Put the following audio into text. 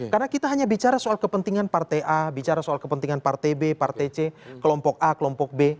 karena kita hanya bicara soal kepentingan partai a partai b partai c kelompok a kelompok b